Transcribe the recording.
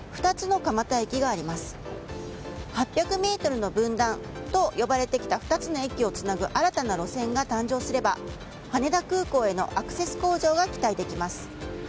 ８００ｍの分断と呼ばれてきた２つの駅をつなぐ新たな路線が誕生すれば羽田空港へのアクセス向上が期待できます。